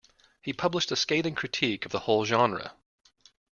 He published a scathing critique of the whole genre.